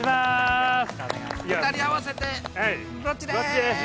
２人合わせて、ロッチです！